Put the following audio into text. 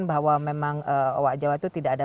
bahwa memang owak jawa itu tidak ada